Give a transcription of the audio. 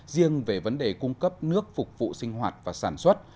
riêng về vấn đề cung cấp nước phục vụ sinh hoạt và sản xuất